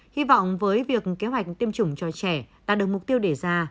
hy vọng với việc kế hoạch tiêm chủng cho trẻ đạt được mục tiêu để ra